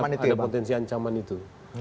karena ada potensi ancaman itu